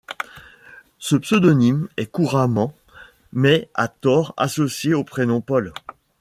Ce pseudonyme est couramment, mais à tort, associé au prénom Paul.